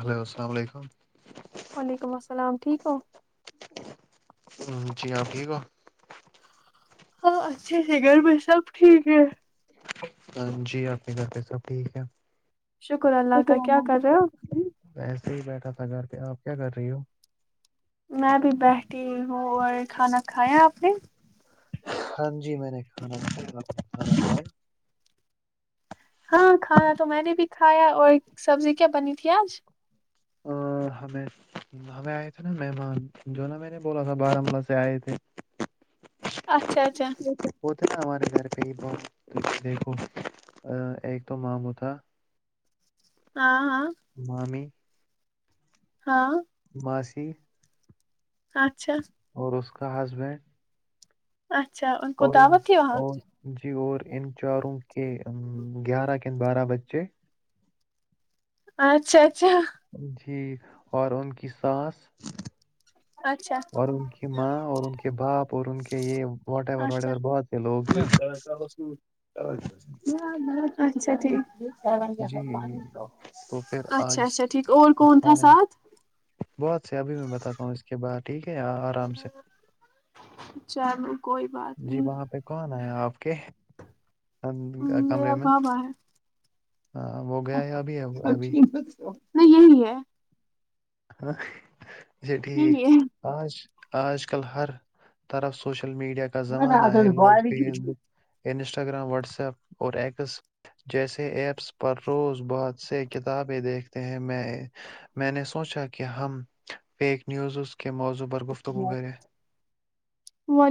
Hello السلام علیکم وعلیکم السلام علیکم ہ جی آپ ٹھیک ہو ہاں اچھے سے گھر پہ سب ٹھیک ہے ہاں جی آنی گاتتے سب ٹھیک ہے شکر اللہ کا کیا کر رہے ہو وسے ہی بیٹھا تھا گھر کے آپ کیا کر رہی ہو میں بھی بیٹھی ہوں اور کھانا کھایا آپ نے ہاں جی میں نے کھانا ہاں کھانا تو میں نے بھی کھایا اور سبزی کیا بنی تھی آج اور ہمیں ہمیں آئے تھے نا مہمان جو نا میں نے بولا تھا بارامولہ سے آئے تھے اچھا اچھا ا ہمارے گھر پہ ہی بہت دیکھو ایک تو مامو تھا ہاں ہاں مامی ہاں ماسی کاٹ اچھاس کا کا ہسبینڈ اچھا کو اور ان دعوت تھی وہاں اور جی اور ان چاروں کے ا گیارہ کن بارہ بچے اچھا اچھا جی اور ان کی سانس اچھا اور ان کی ماں اور ان کے باپ اور ان کے یہ واٹور اچھا واٹور بہت سے لوگ ہیں اچھا ٹھیک جی تو پھر اچھا آج اچھا ٹھیک اول کون تھا کھانے ساتھ بہت سے ابھی میں بتا ہوں اس کے بع ٹھیک یہاں آرام سے چلو کوئی بات جی نہیں وہاں پہ کون آیا آپ کے کمرے میرا میں بابا ہے ہاں وہ گیا ہے ابھی ابھی نہیں یہ لی ہے [unintelligible] ہاں [unintelligible] جھ یہی ہے ٹھیک آج [unintelligible] آج کل ہر طرف سوشل سوشل میڈیا کا زمانہ ہے لوگ فیس بک [unintelligible] انسٹاگرام واٹسپ اور ایکس جیسے ایپس پر روز بہت سے کتابیں دیکھتے ہیں میں میں نے [unintelligible] سوچا کہ ہم فیک نیوزز [unintelligible] کے موضوع پر گفتگو کرے [unintelligible] وہ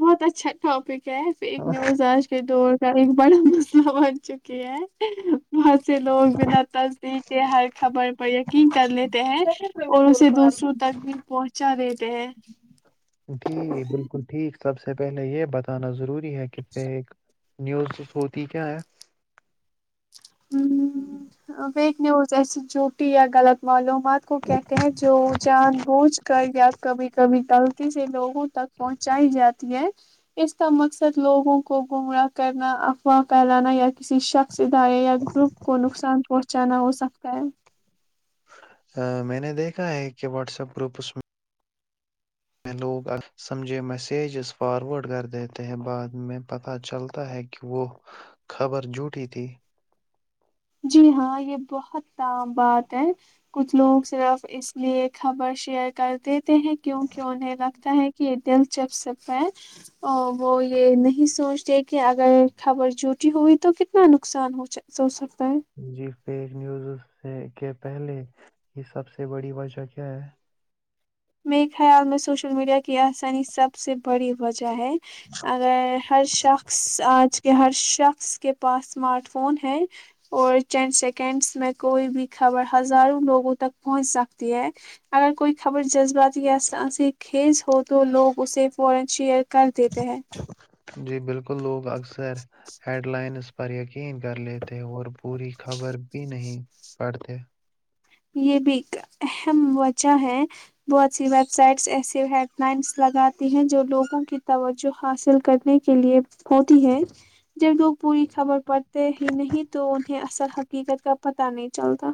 بہت اچھا ٹاپک کیف ایک ہاں، نیوز آج کے دور کا ایک بڑا [unintelligible] بن چکے ہے بہت سے لوگ بنا تصدیق کے ہر خبر پر یقین کر لیتے ہیں اور اسے دوسروں تک بھی پہنچا دیتے ہیں [unintelligible] جی بالکل ٹھیک سب سے پہلے یہ بتانا ضروری [unintelligible] بھی ہے کت ایک [unintelligible] نیوز ہوتی کیا ہے [inaudible] ہ ب [unintelligible] نیوز اسس جھوٹی غلط معلوم [unintelligible] ات کو کہتے ہیں جو جان بوجھ کر یا کبھی کبھی [unintelligible] غلط سے لوگوں تک پہنچائی جاتی ہے اس کا مقصد لوگوں کو گمراہ کرنا افواہ کہلانا یا کسی شخص [unintelligible] سے دھارے یا گروپ کو نقصان پہنچا [unintelligible] چانا وہ ص اف کا [unintelligible] میں نے دیکھا ہے کہ واٹس ایپ گروپ اس میں میں لوگ سمجھے میسجز فارورڈ کر دیتے ہیں بعد میں پتہ چلتا ہے کہ وہ خبر جھوٹی تھی جی ہاں یہ بہت تام بات ہے کچھ لوگ صرف اس لیے خبر شیئر کرتے تے ہیں کیوں کیوں انہیں لگتا ہے [unintelligible] کہ دلچپ سے پ وہ یہ نہیں سوچتے کہ اگر خبر جٹی ہوئی تو کتنا نقصان ہو س جی فیک نیوز سے کے پہلے یہ سب سے بڑی وجہ کیا ہے میرے خیال میں سوشل میڈیا کی آسانی سب سے بڑی وجہ ہے اگر ہر شخص آج کہ ہر شخص کے پاس اسمارٹ فون ہے اور ین سیکنڈس میں کوئی بھی خبر ہزاروں لوگوں تک پہنچ سکتی ہے اگر کوئی خبر ج خیز ہو تو لوگ اسے فوران شیئر کر دیتے ہیں جی بالکل لوگ اکثر ہیڈ لائنز پر یقین کر لیے تھ اور پوری خبر بھی نہیں پڑھتے ہیں یہ بھی ایک اہم وجہ ہے بہت سی ویب سائٹس ایسے ہیڈ لائنس لگاتی ہیں جو لوگوں کی توجہ حاصل کرنے کے لیے ہوتی ہے جب لوگ پوری خبر پڑتے ہی نہیں تو انہیں اصل حقیقت کا پتہ نہیں چلتا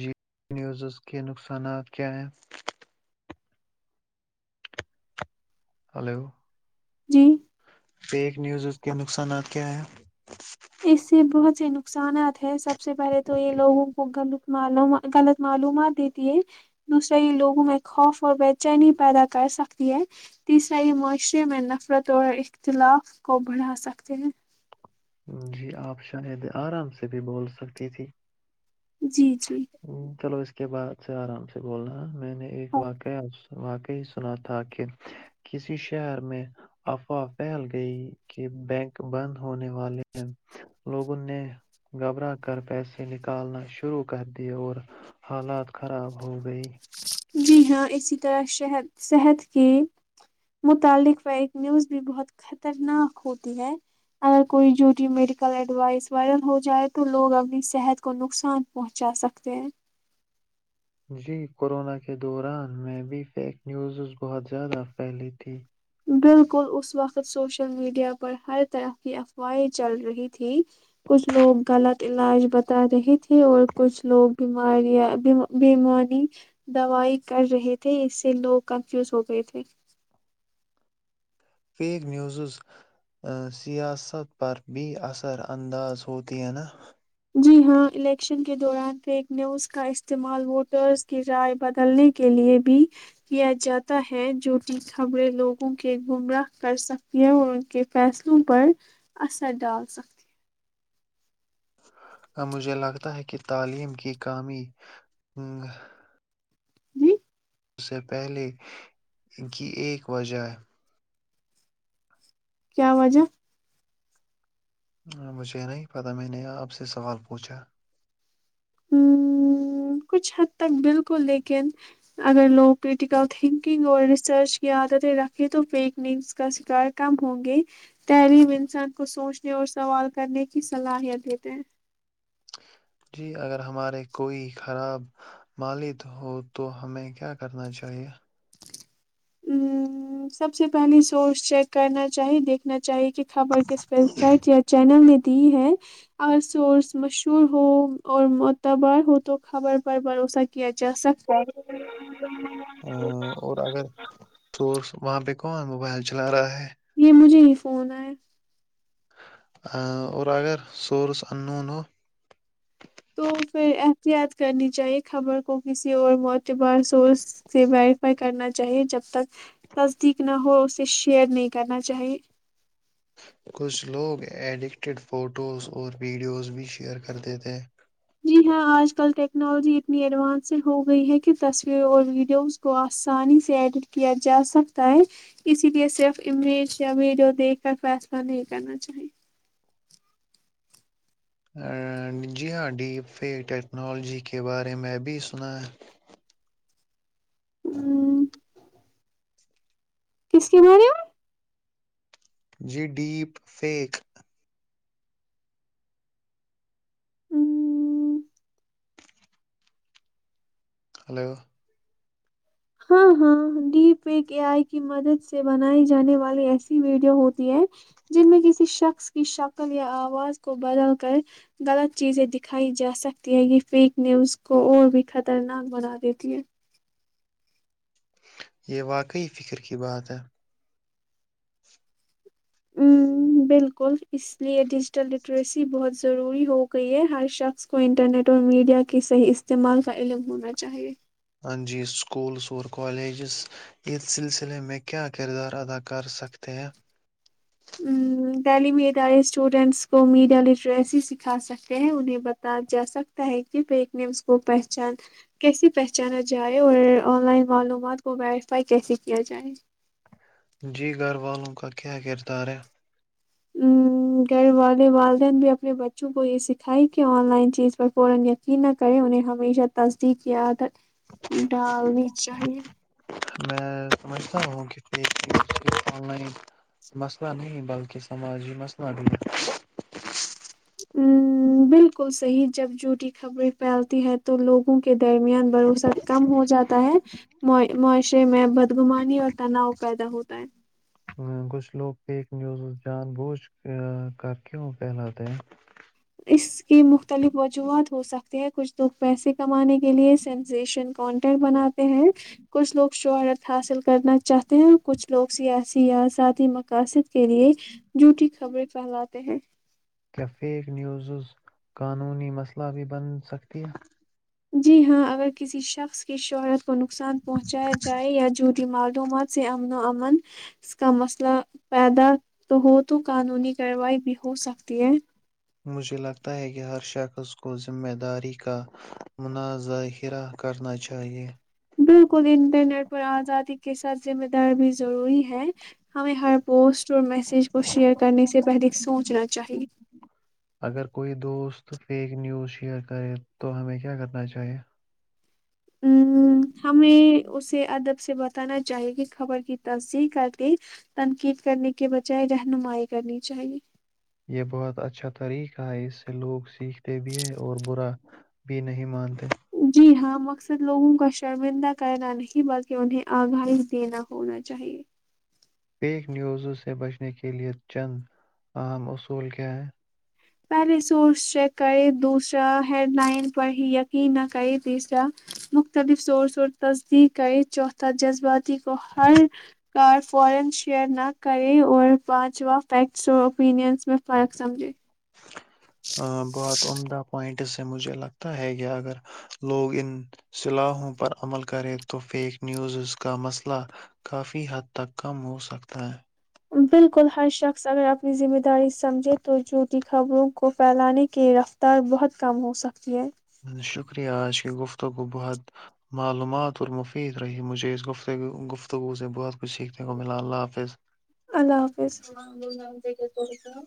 جی نیوزز کے نقصانات کیا ہیں ہلو جی فیک نیوزز کے نقصانات کیا ہیں؟ اس سے بہت سے نقصانات ہیں سب سے پہلے تو یہ لوگوں کولط غلط معلومات دیتی ہے دوسرا یہ لوگوں میں خوف اور بے چینی پیدا کر سکتی ہے تیسرا یہ معاشرے میں نفرت اور اختلاف کو بڑھا سکتے ہیں جی آپ شاہید آرام سے بھی بول سکتی تھی جی جی ہوں، چلو اس کے بعد سے آرام سے بولنا میں نے ایک واقع آپ سے واقعی سنا تھا کہ کسی شہر میں افواہ پھیل گئی کہ بینک بند ہونے والے لوگوں نے گھبرا کر پیسے نکالنا شروع شروع کر دی اور حالات خراب ہو گئی جی ہاں اسی طرح شد صحت کے متعلق ف ایک نیوز بھی بہت خطرناک ہوتی ہے اگر کوئی جوٹی میڈیکل ایڈوائس وائرل ہو جائے تو لوگ اپنی صحت کو نقصان پہنچا سکتے ہیں جی کورونا کے دوران میں بھی فیک نیوزز بہت زیادہ پھیلی تھی بالکل اس وقت سوشل میڈیا پر ہر طرح کی افواہیں چل رہی تھی کچھ لوگ غلط علاج بتا رہے تھے اور کچھ لوگ بیماریاں بیےمانی دوائی کر رہے تھے اس سے لوگ کنفیوز ہو گئے تھے فیک نیوزز سیاست پر بھی اثرانداز ہوتی ہیں نا جی ہاں الیکشن کے دوران فیک نیوز کا استعمال ووٹرز کی رائے بدلنے کے لیے بھی کیا جاتا ہے جو کہ خبریں لوگوں کے گمراہ کر سکتی ہیں اور ان کے فیصلوں پر اثر ڈال سکتی ہیں امجھے لگتا ہے کہ تعلیم کی کامی جی اس سے پہلے کی ایک وجہ کیا وجہ مجھے نہیں پتا میں نے آپ سے سوال پوچھا کچھ حد تک بالکل لیکن اگر لوگ کریٹیکل تھنکنگ اور ریسرچ کی عادتیں رکھیں تو فیک نیوگز کا شکار کم ہوں گی تحلیم انسان کو سوچنے اور سوال کرنے کی صلاحیت دیتے ہیں جی اگر ہمارے کوئی خراب مالد ہو تو ہمیں کیا کرنا چاہیئے ہ سب سے پہلے سورس چیک کرنا چاہی دیکھنا چاہیے کہ خبر کس ویب سائٹ یا چینل نے دی ہے اگر سورس مشہور ہو اور معتبار ہو تو خبر پر بھروسہ کیا جا سکتا ہے اور اگر اور وہاں پہ کون موبائل چلا رہا ہے یہ مجھے یہ فون آئے اور اگر سورس اننون ہو تو پھر احتیاط کرنی چاہے خبر کو کسی اور معتبر سورس سے ویریفائی کرنا چاہے جب تک تصدیق نہ ہو اسے شیئر نہیں کرنا چاہیے کچھ لوگ ایڈکٹڈ فوٹوز اور ویڈیوز بھی شیئر کرتے تھے جی ہاں آج کل ٹیکنالوجی اتنی ایڈوانس سے ہو گئی ہے کہ تصویروں اور ویڈیوز کو آسانی سے ایڈٹ کیا جاسکتا ہے اسی لئے صرف امیج یا ویڈیو دیکھ کر فیصلہ نہیں کرنا چاہیں جی ہاں ڈیپے ٹیکنالوجی کے بارے میںبھی سنا ہے کس کنارے میں جی ڈیپ فیک میں ہمم، ہلو ہاں ہاں ڈی پیک اے آئی کی مدد سے بنائی جانے والی ایسی ویڈیو ہوتی ہے جن میں کسی شخص کی شکل یا آواز کو بدل کر غلط چیزیں دکھائی جا سکتی ہے یہ فیک نیوز کو اور بھی خطرناک بنا دیتی ہے یہ واقعی فکر کی بات ہے بالکل اس لیے ڈیجیٹل لٹریسی بہت ضروری ہو گئی ہے ہر شخص کو انٹرنیٹ اور میڈیا کے صحیح استعمال کا علم ہونا چاہیے جی، اسکولز اور کالجز اس سلسلے میں کیا کردار ادا کر سکتے ہیں تعلیمی ادارے اسٹوڈنٹس کو میڈیا لٹریسی سکھا سکتے ہیں انہیں بتا جا سکتا ہے کہ فیک نمس کو پہچان کیسے پہچانا جائے اور آن لائن معلومات کو ویریفائی کیسے کیا جائے جی گھر والوں کا کیا کردار ہے گھر والے والدین بھی اپنے بچوں کو یہ سکھائی کہ ان لائن چیز پر فورا یقین نہ کریں انہیں ہمیشہ تصدیق یاد ڈالنی چاہیے [inaudible] میں سمجھتا ہوں کہ لائن مسئلہ نہیں بلکہ سماجی مسئلہ بھی ہے بالکل صحیح جب جوٹی خبریں پھیلتی ہے تو لوگوں کے درمیان بھروسہ کم ہو جاتا ہے معاشرے میں بدگمانی اور تناؤ پیدا ہوتا ہے [inaudible] کچھ لوگ فیک نیوز جان بوجھ کر کیوں کہلاتے ہیں اس کی مختلف وجوہات ہو سکتی ہے کچھ لگ پیسے کمانے کے لیے سنسیشن کانٹینٹ بناتے ہیں کچھ لوگ شہرت حاصل کرنا چاہتے ہیں اور کچھ لوگ سیاسی یا ذاتی مقاصد کے لیے جھوٹی خبریں پھیلاتے ہیں کیا فیک نیوزز قانونی مسئلہ بھی بن سکتی ہیں؟ جی ہاں اگر کسی شخص کی شہرت کو نقصان پہنچایا جائے یا جھٹی معلومات سے امن و امن کا مسئلہ پیدا تو ہو تو قانونی کارروائی بھی ہو سکتی ہے مجھے لگتا ہے کہ ہر شخص کو ذمہ داری کا منظاہرہ کرنا چاہیئے بالکل انٹرنیٹ پر آزادی کے ساتھ ذمہ دار بھی ضروری ہے ہمیں ہر پوسٹ اور میسج کو شیئر کرنے سے پہلے سوچنا چاہیے اگر کوئی دوست فیک نیوز شیئر کرے تو ہمیں کیا کرنا چاہیے ہمامیں اسے ادب سے بتانا چاہیے کہ خبر کی تصسییح کر کے تنقید کرنے کے بجائے رہنمائی کرنی چاہیے یہ بہت اچھا طریقہ ہے اس سے لوگ سیکھتے بھی ہے اور برا بھی نہیں مانتے [inaudible] جی ہاں مقصد لوگوں کا شرمندہ کرنا نہیں بلکہ انہیں آگاہی دینا ہونا چاہیے پیک نیوزوں سے بچنے کے لیئے چند اہم اصول کیا ہیں [inaudible] [inaudible] بہت عمدہ پوائنٹ سے مجھے لگتا ہے کہ اگر لوگ ان صلاحوں پر عمل کریں تو فیک نیوزز کا مسئلہ کافی حد تک کم ہوسکتا ہے بالکل ہر شخص اگر اپنی ذمہ داری سمجھے تو جھوٹی خبروں کو پھیلانے کی رفتار بہت کم ہو سکتی ہے شکریہ آج کی گفتگو بہت معلومات اور مفید رہی مجھے اس گفتگو گفتگو سے بہت کچھ سیکھنے کو ملا اللہ حافظ اللہ حافظ [inaudible] سوں